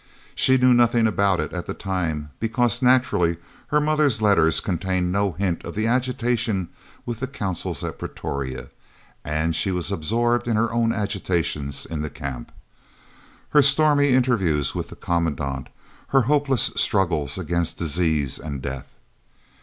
She knew nothing about it at the time because, naturally, her mother's letters contained no hint of the agitation with the Consuls at Pretoria, and she was absorbed in her own "agitations" in the Camp, her stormy interviews with the Commandant, her hopeless struggles against disease and death.